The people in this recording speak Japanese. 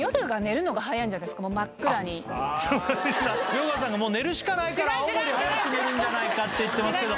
遼河さんがもう寝るしかないから青森は早く寝るんじゃないかって言ってますけど。